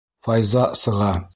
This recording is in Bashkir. Файза сыға.